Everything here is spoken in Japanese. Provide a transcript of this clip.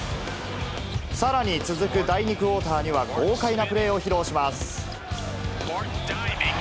さらに続く第２クオーターには、豪快なプレーを披露します。